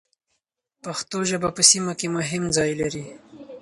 پښتو ژبه په سیمه کې مهم ځای لري.